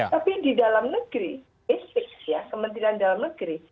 tapi di dalam negeri base fix ya kementerian dalam negeri